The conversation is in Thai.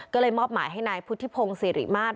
ก็เลยมอบหมายให้นายพุฒิภงซีริมาท